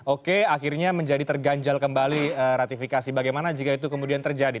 oke akhirnya menjadi terganjal kembali ratifikasi bagaimana jika itu kemudian terjadi